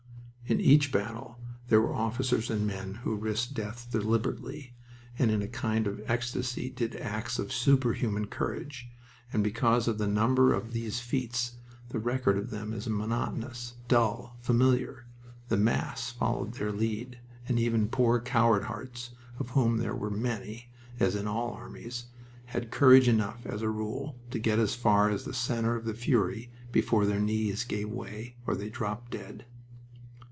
In each battle there were officers and men who risked death deliberately, and in a kind of ecstasy did acts of superhuman courage; and because of the number of these feats the record of them is monotonous, dull, familiar. The mass followed their lead, and even poor coward hearts, of whom there were many, as in all armies, had courage enough, as a rule, to get as far as the center of the fury before their knees gave way or they dropped dead.